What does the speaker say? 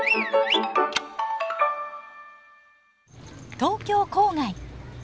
東京郊外。